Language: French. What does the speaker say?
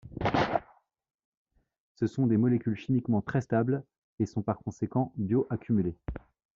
Ce sont des molécules chimiquement très stables et sont par conséquent bio-accumulées.